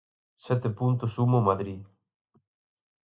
Sete puntos suma o Madrid.